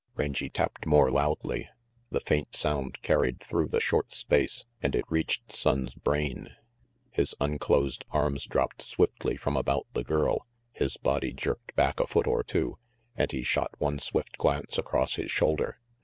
Rangy tapped more loudly. The faint sound carried through the short space and it reached Sonnes' brain. His unclosed arms dropped swiftly from about the girl, his body jerked back a foot or two, and he shot one swift glance across his shoulder.